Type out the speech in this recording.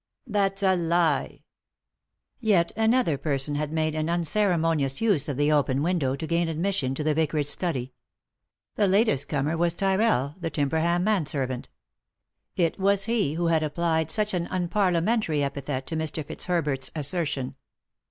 "That's a lie!" Yet another person had made an unceremonious use of the open window to gain admission to the vicarage study. The latest comer was Tyrrell, the Tiinberham manservant It was he who had applied such an unparliamentary epithet to Mr. Fitzherbert's assertion.